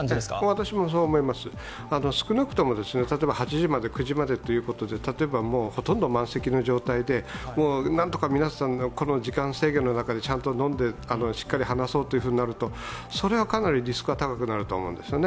私もそう思います、少なくとも８時まで９時までということで例えばもう、ほとんど満席の状態で何とか皆さんが時間制限の中でちゃんと飲んでしっかり話そうとなると、それはかなりリスクが高くなると思うんですよね。